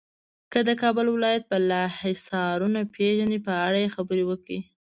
که د بل ولایت بالا حصارونه پیژنئ په اړه یې خبرې وکړئ.